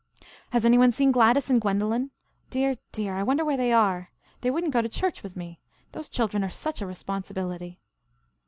"Has any one seen Gladys and Gwendolen? Dear, dear, I wonder where they are. They wouldn't go to church with me. Those children are such a responsibility."